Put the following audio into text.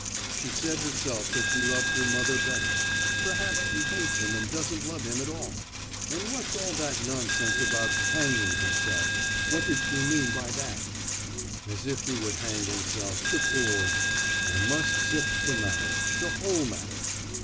"She said herself that she loved her mother better;—perhaps she hates him, and doesn't love him at all! And what's all that nonsense about 'hanging himself!' What did she mean by that? As if he would hang himself, the fool! I must sift the matter—the whole matter.